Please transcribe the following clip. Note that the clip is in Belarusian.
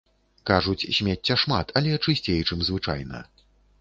Кажуць, смецця шмат, але чысцей, чым звычайна.